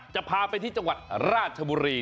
จะพาไปที่จังหวัดราชบุรี